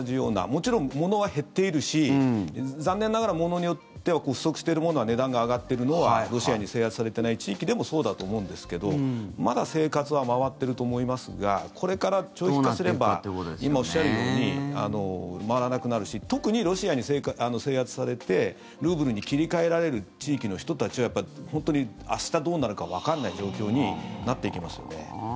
もちろん、物は減っているし残念ながら、物によっては不足している物は値段が上がっているのはロシアに制圧されていない地域でもそうだと思うんですけどまだ生活は回っていると思いますがこれから長期化すれば今、おっしゃるように回らなくなるし特に、ロシアに制圧されてルーブルに切り替えられる地域の人たちは本当に明日どうなるかわからない状況になっていきますよね。